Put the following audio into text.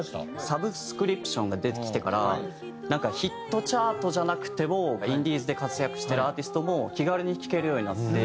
サブスクリプションが出てきてからヒットチャートじゃなくてもインディーズで活躍してるアーティストも気軽に聴けるようになって。